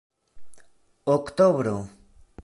oktobro